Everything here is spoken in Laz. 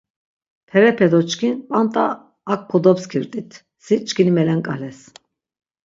Perepe do çkin p̌anda ak kodopskirt̆it, si çkini melenk̆ales.